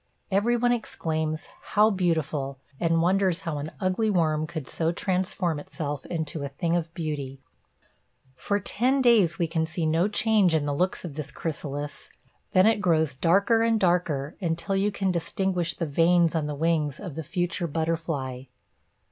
Everyone exclaims, "How beautiful!" and wonders how an ugly worm could so transform itself into a thing of beauty. For ten days we can see no change in the looks of this chrysalis; then it grows darker and darker until you can distinguish the veins on the wings of the future butterfly.